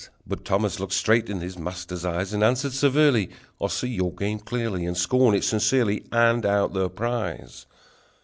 But Thomas looked straight in his master's eyes, And answered severely: "I see your game clearly, And scorn it sincerely. Hand out the prize!"